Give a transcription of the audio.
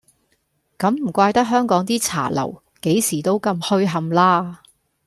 噉唔怪得香港啲茶樓幾時都咁噓冚啦